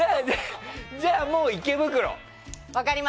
じゃあ、もう池袋。